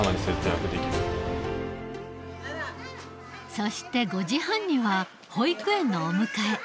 そして５時半には保育園のお迎え。